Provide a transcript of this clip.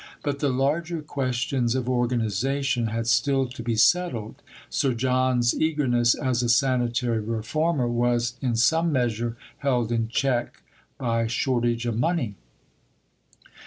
But the larger questions of organization had still to be settled. Sir John's eagerness as a sanitary reformer was in some measure held in check by shortage of money.